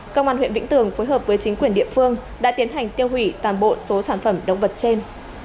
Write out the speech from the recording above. cơ quan huyện vĩnh tường phối hợp với chính quyền địa phương đã tiến hành tiêu hủy tàn bộ số sản phẩm động vật trên